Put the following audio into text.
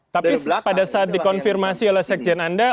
tapi pada saat dikonfirmasi oleh sekjen anda